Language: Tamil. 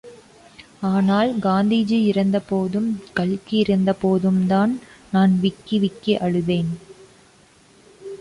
ஆனால் காந்திஜி இறந்த போதும் கல்கி இறந்தபோதும்தான் நான் விக்கி, விக்கி அழுதேன்.